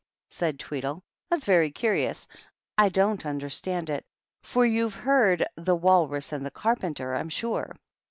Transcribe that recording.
said Tweedle; "that's very curious. I don't understand it. For you've heard ^The Walrm and the Carpenter y I'm sure."